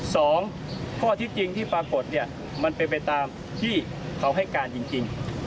ข้อที่จริงที่ปรากฏเนี่ยมันเป็นไปตามที่เขาให้การจริง